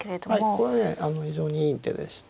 これね非常にいい手でして。